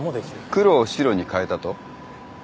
黒を白に変えたと。